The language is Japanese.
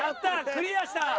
クリアした。